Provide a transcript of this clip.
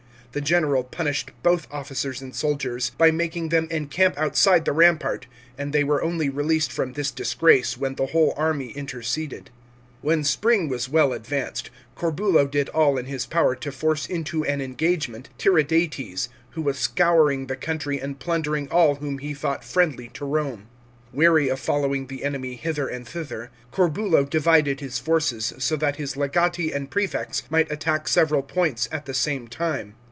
The general punished both officers and soldiers by making them encamp outside the rampart, and they were only released from this disgrace when the whole army interceded. When spring was well advanced, Corbulo did all in his power to force into an engagement Tiridates, who was scouring the country and plundering all whom he thought friendly to Borne. Weary of following the enemy hither and thither, Corbulo divided his forces, so that his legati and prefects' might attack several points at the same time.